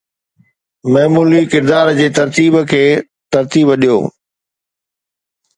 معمولي ڪردار جي ترتيب کي ترتيب ڏيو